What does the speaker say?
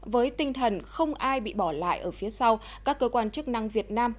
với tinh thần không ai bị bỏ lại ở phía sau các cơ quan chức năng việt nam